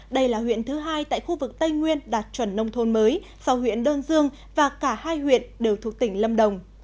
đây là huyện thứ hai tại khu vực tây nguyên đạt chuẩn nông thôn mới sau huyện đơn dương và cả hai huyện đều thuộc tỉnh lâm đồng